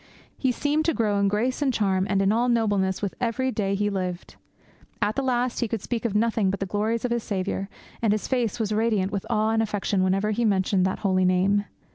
He seemed to grow in grace and charm and in all nobleness with every day he lived. At the last he could speak of nothing but the glories of his Saviour, and his face was radiant with awe and affection whenever he mentioned that holy name.